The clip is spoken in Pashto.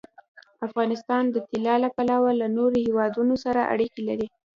افغانستان د طلا له پلوه له نورو هېوادونو سره اړیکې لري.